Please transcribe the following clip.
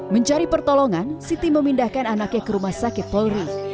mencari pertolongan siti memindahkan anaknya ke rumah sakit polri